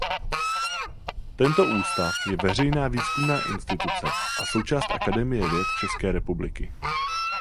Tento ústav je veřejná výzkumná instituce a součást Akademie věd České republiky.